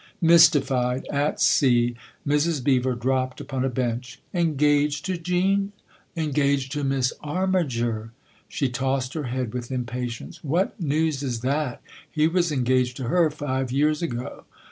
Mystified, at sea, Mrs. Beever dropped upon a bench. " Engaged to Jean ?"" Engaged to Miss Armiger." She tossed her head with impatience. "What news is that ? He was engaged to her five years ago!"